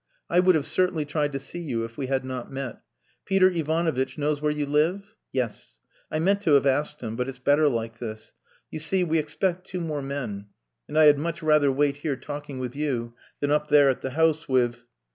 I would have certainly tried to see you if we had not met. Peter Ivanovitch knows where you live? Yes. I meant to have asked him but it's better like this. You see, we expect two more men; and I had much rather wait here talking with you than up there at the house with...."